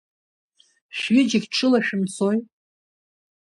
Шәҩыџьагь ҽыла шәымцои!